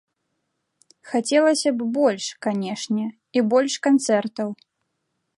Хацелася б больш, канешне, і больш канцэртаў.